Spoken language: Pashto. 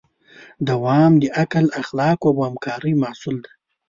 دوام د عقل، اخلاقو او همکارۍ محصول دی.